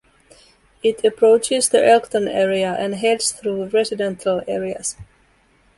It approaches the Elkton area and heads through residential areas.